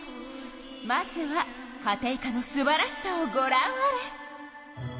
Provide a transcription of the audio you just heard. まずはカテイカのすばらしさをごらんあれ！